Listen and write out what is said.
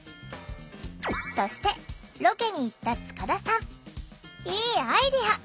そしてロケに行った「いいアイデア！